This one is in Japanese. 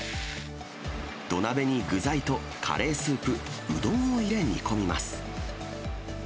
土鍋に具材とカレースープ、うどんを入れ煮込みます。